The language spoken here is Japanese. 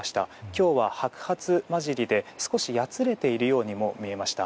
今日は白髪交じりで少しやつれているようにも見えました。